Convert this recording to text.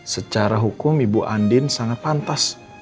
secara hukum ibu andin sangat pantas